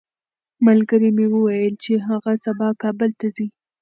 ملګري مې وویل چې هغه سبا کابل ته ځي.